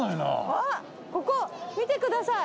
わっここ見てください